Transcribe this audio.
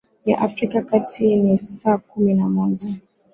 afrika ya kati ni saa kumi na moja